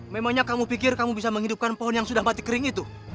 memangnya kamu pikir kamu bisa menghidupkan pohon yang sudah mati kering itu